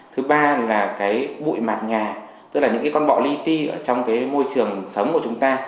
thứ ba là cái bụi mặt nhà tức là những cái con bọ ly trong cái môi trường sống của chúng ta